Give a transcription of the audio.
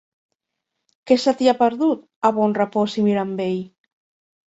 Què se t'hi ha perdut, a Bonrepòs i Mirambell?